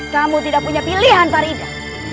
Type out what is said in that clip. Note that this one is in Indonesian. kamu tidak punya pilihan farida